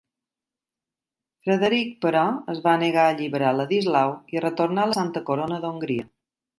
Frederic, però, es va negar a alliberar Ladislau i a retornar la Santa Corona d'Hongria.